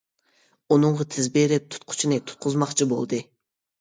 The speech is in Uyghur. ئۇنىڭغا تېز بېرىپ تۇتقۇچنى تۇتقۇزماقچى بولدى.